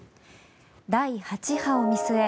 第８波を見据え